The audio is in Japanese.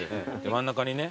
真ん中にね。